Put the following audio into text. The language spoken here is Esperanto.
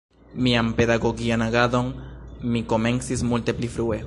Mian pedagogian agadon mi komencis multe pli frue.